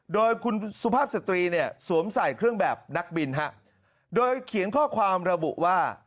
โดยคุณสุภาพสตรีเนี่ยสวมใส่เครื่องแบบนักบินฮะโดยเขียนข้อความระบุว่า